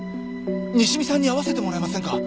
西見さんに会わせてもらえませんか？